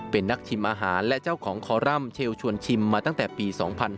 เป็นนักชิมอาหารและเจ้าของคอรัมป์เชลชวนชิมมาตั้งแต่ปี๒๕๕๙